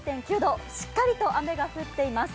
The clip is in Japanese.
しっかりと雨が降っています。